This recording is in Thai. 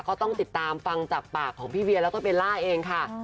ก็ต้องติดตามฟังจากปากของพี่เวียแล้วก็เบลล่าเองค่ะ